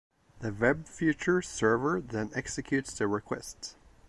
The web feature server then executes the request.